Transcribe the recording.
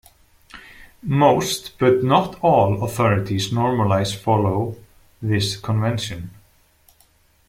Most, but not all, authorities normalise follow this convention.